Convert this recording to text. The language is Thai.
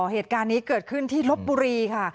เหตุการณ์นี้เกิดขึ้นที่ลบบุรีค่ะ